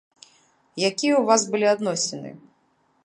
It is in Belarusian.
Якія ў вас былі адносіны?